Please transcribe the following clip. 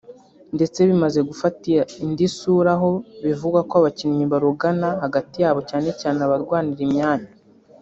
ndetse bimaze gufata indi sura aho bivugwa ko abakinnyi barogana hagati yabo cyane cyane abarwanira imyanya